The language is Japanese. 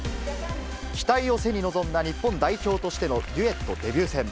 期待を背に臨んだ、日本代表としてのデュエットデビュー戦。